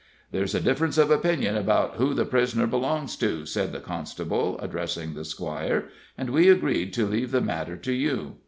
"There's a difference of opinion 'bout who the prisoner belongs to," said the constable, addressing the squire; "and we agreed to leave the matter to you.